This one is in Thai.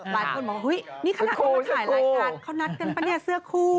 หลายคนบอกเฮ้ยนี่ขนาดเขามาถ่ายรายการเขานัดกันป่ะเนี่ยเสื้อคู่